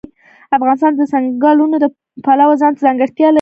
افغانستان د ځنګلونو د پلوه ځانته ځانګړتیا لري.